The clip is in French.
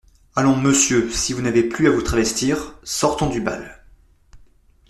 Allons, monsieur, si vous n'avez plus à vous travestir, sortons du bal.